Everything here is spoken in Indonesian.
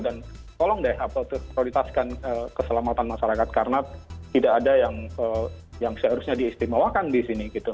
dan tolong deh prioritaskan keselamatan masyarakat karena tidak ada yang seharusnya diistimewakan di sini gitu